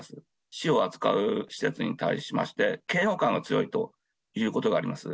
死を扱う施設に対しまして、嫌悪感が強いということがあります。